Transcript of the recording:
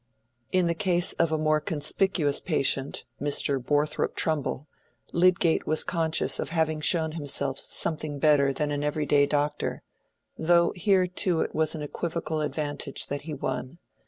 In the case of a more conspicuous patient, Mr. Borthrop Trumbull, Lydgate was conscious of having shown himself something better than an every day doctor, though here too it was an equivocal advantage that he won.